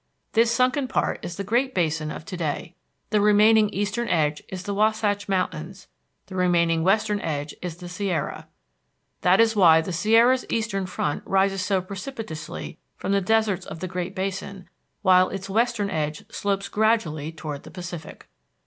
This sunken part is the Great Basin of to day. The remaining eastern edge is the Wasatch Mountains; the remaining western edge is the Sierra. That is why the Sierra's eastern front rises so precipitously from the deserts of the Great Basin, while its western side slopes gradually toward the Pacific.